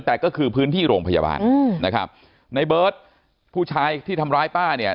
แต่ก็คือพื้นที่โรงพยาบาลอืมนะครับในเบิร์ตผู้ชายที่ทำร้ายป้าเนี่ย